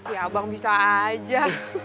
ya bang bisa aja